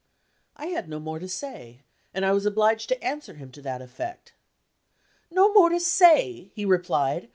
I had no more to say, and I was obliged to answer him to that effect. "No more to say?" he replied.